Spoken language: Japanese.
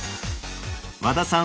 和田さん